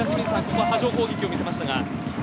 ここは波状攻撃を見せましたが。